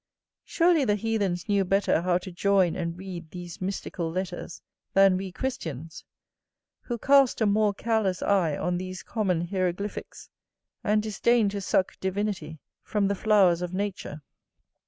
Surely the heathens knew better how to join and read these mystical letters than we Christians, who cast a more careless eye on these common hieroglyphics, and disdain to suck divinity from the flowers of nature.